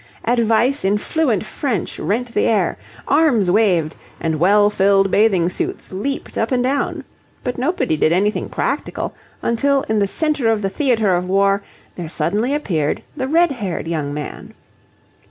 Advice in fluent French rent the air. Arms waved, and well filled bathing suits leaped up and down. But nobody did anything practical until in the centre of the theatre of war there suddenly appeared the red haired young man.